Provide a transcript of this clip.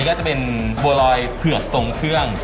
ก็จะเป็นบัวลอยเผือกทรงเครื่อง